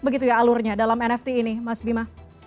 begitu ya alurnya dalam nft ini mas bima